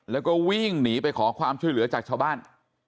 แล้วก็วิ่งหนีไปขอความช่วยเหลือจากชาวบ้าน